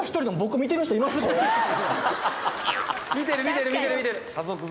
見てる、見てる、見てる。